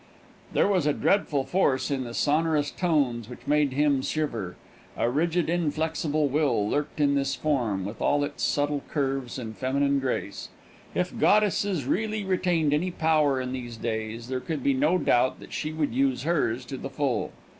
There was a dreadful force in the sonorous tones which made him shiver; a rigid inflexible will lurked in this form, with all its subtle curves and feminine grace. If goddesses really retained any power in these days, there could be no doubt that she would use hers to the full.